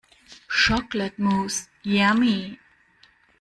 Chocolate mousse; yummy!